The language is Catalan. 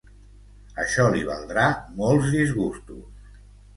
Això li valdrà molts disgustos.